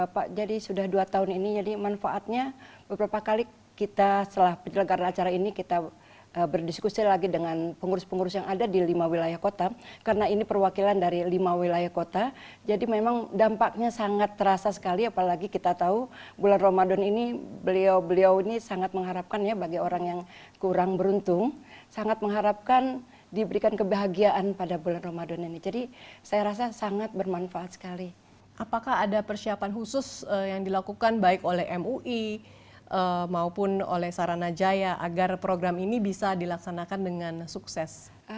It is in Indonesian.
pak ada persiapan khusus yang dilakukan baik oleh mui maupun oleh saranaja ya agar program ini bisa dilaksanakan dengan sukses